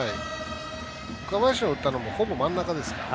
岡林が打ったのもほぼ真ん中ですからね。